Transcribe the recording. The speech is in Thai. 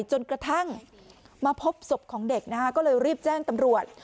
จนกระทั่งมาพบศพของเด็กนะคะก็เลยรีบแจ้งตำรวจ